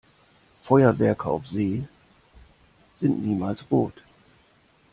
Feuerwerke auf See sind niemals rot.